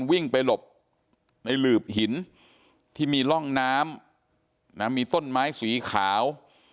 วิ่งไปหลบในหลืบหินที่มีร่องน้ำมีต้นไม้สีขาว